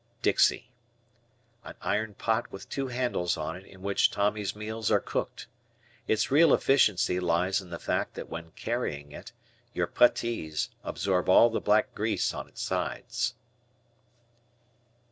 Dixie. An iron pot with two handles on it in which Tommy's meals are cooked. Its real efficiency lies in the fact that when carrying it, your puttees absorb all the black grease on its sides.